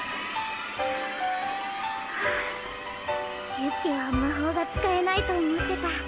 チュッピは魔法が使えないと思ってた。